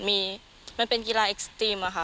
มันเป็นกีฬาเอ็กซ์ตรีมอะค่ะ